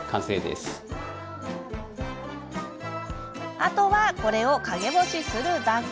あとは、これを陰干しするだけ。